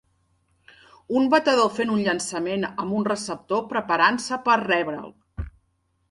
Un batedor fent un llançament amb un receptor preparant-se per rebre'l.